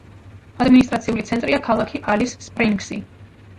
ადმინისტრაციული ცენტრია ქალაქი ალის-სპრინგსი.